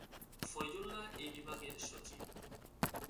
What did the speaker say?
ফয়জুল্লাহ এই বিভাগের সচিব।